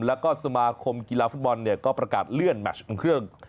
แล้วก็สมาคมกีฬาฟุตบอลเนี่ยก็ประกาศเลื่อนแมชของเครื่อง